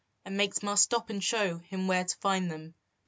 and makes ma stop and show Him where to find them.